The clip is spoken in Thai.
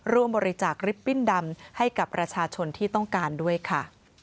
ร่วมบริจาคลิปปิ้นดำให้กับประชาชนที่ต้องการด้วยค่ะ